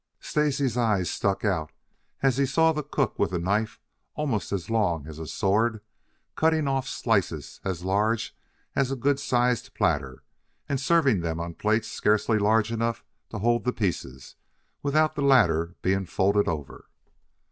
Stacy's eyes stuck out as he saw the cook with a knife almost as long as a sword, cutting off slices as large as a good sized platter, and serving them on plates scarcely large enough to hold the pieces, without the latter being folded over.